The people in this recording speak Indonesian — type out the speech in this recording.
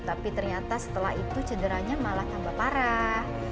tapi ternyata setelah itu cederanya malah tambah parah